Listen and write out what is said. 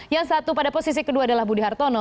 yang satu pada posisi kedua adalah budi hartono